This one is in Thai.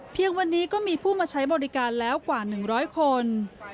วันนี้ก็มีผู้มาใช้บริการแล้วกว่า๑๐๐คน